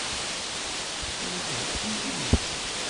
Ad d-theyyimt imensi.